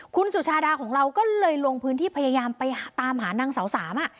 คุณสุชาดาของเราก็เลยลงพื้นที่พยายามไปตามหานางสาวสาม